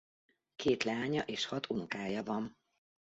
Két leánya és hat unokája van.